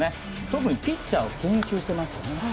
特にピッチャーを研究していますね。